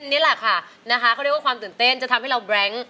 นี่แหละค่ะนะคะเขาเรียกว่าความตื่นเต้นจะทำให้เราแบรงค์